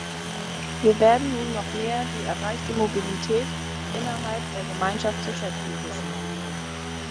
Wir werden nun noch mehr die erreichte Mobilität innerhalb der Gemeinschaft zu schätzen wissen.